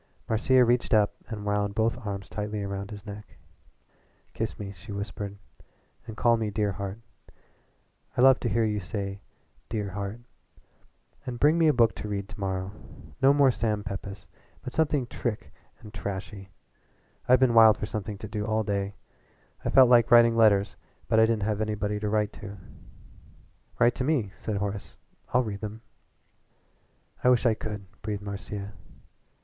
Marcia reached up and wound both arms tightly round his neck. "Kiss me," she whispered, "and call me 'dear heart.' I love to hear you say 'dear heart.' And bring me a book to read to morrow. No more Sam Pepys, but something trick and trashy. I've been wild for something to do all day. I felt like writing letters, but I didn't have anybody to write to." "Write to me," said Horace. "I'll read them." "I wish I could," breathed Marcia.